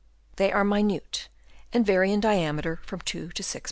They are minute, and vary in diameter from 2 to 6